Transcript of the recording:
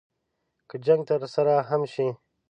که جنګ ترسره هم شي.